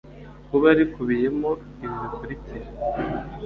kuba rikubiyemo ibi bikurikira